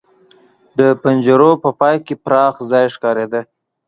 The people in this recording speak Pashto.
د پنجرو په پای کې پراخ ځای ښکارېده.